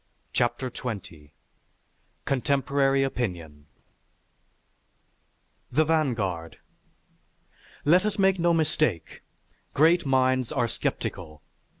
CHAPTER XX CONTEMPORARY OPINION The Vanguard _Let us make no mistake great minds are skeptical....